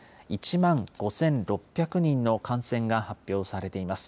１万５６００人の感染が発表されています。